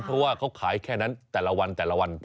เพราะว่าแค่นั้นแต่ละวันแต่ละวันพอ